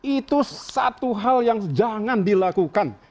itu satu hal yang jangan dilakukan